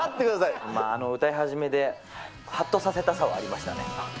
あの歌い始めで、はっとさせたさはありましたね。